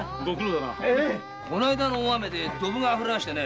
この間の雨で「ドブ」があふれましてね